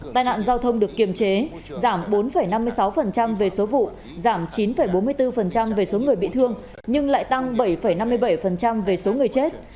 tai nạn giao thông được kiềm chế giảm bốn năm mươi sáu về số vụ giảm chín bốn mươi bốn về số người bị thương nhưng lại tăng bảy năm mươi bảy về số người chết